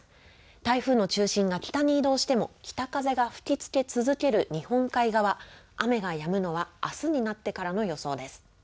台風の中心が北に移動しても北風が吹きつけ続ける日本海側、雨がやむのはあすになってからの予想です。